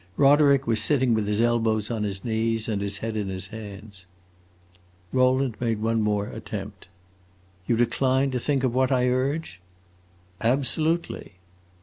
Roderick was sitting with his elbows on his knees and his head in his hands. Rowland made one more attempt. "You decline to think of what I urge?" "Absolutely."